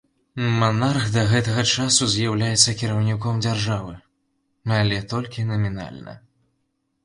Манарх да гэтага часу з'яўляецца кіраўніком дзяржавы, але толькі намінальна.